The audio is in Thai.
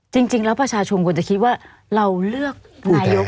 จริงแล้วประชาชนควรจะคิดว่าเราเลือกนายก